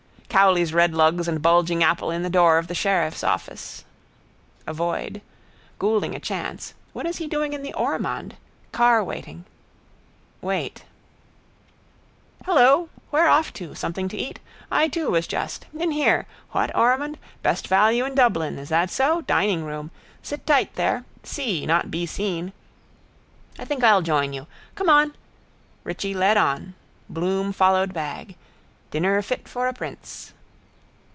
Cowley's red lugs and bulging apple in the door of the sheriff's office. Avoid. Goulding a chance. What is he doing in the Ormond? Car waiting. Wait. Hello. Where off to? Something to eat? I too was just. In here. What, Ormond? Best value in Dublin. Is that so? Diningroom. Sit tight there. See, not be seen. I think I'll join you. Come on. Richie led on. Bloom followed bag. Dinner fit for a prince.